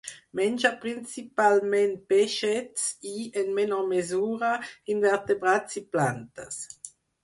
Menja principalment peixets i, en menor mesura, invertebrats i plantes.